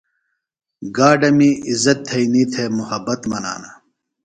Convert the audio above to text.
گاڈہ می عزت تھئینی تھےۡ محبت منانہ۔